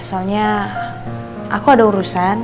soalnya aku ada urusan